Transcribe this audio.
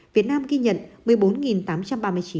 việt nam ghi nhận một mươi bốn ca bệnh covid một mươi chín